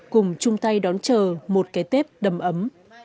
cùng chung tay đón chờ một cái tết đầm ấm